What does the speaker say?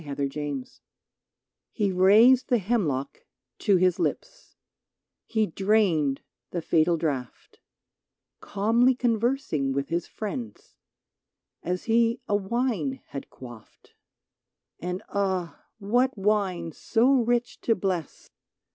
94 SOCRATES T Te raised the hemlock to his lips, He drained the fatal draught, Calmly conversing with his friends. As he a wine had quaffed ; And, ah ! what wine so rich to bless